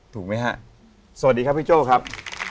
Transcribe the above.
สวัสดีครับพี่โจ้ครับ